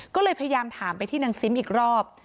ก็เลยพยายามถามไปที่นางซิมอีกรอบ